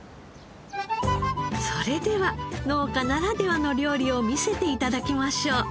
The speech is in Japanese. それでは農家ならではの料理を見せて頂きましょう。